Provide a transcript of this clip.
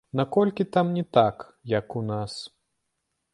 Наколькі там не так, як у нас?